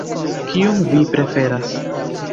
Kiun vi preferas?